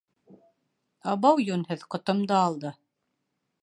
— Абау, йүнһеҙ, ҡотомдо алды.